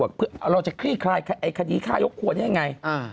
เราจะคลี่คลายคดีฆ่ายกควรได้ยังไง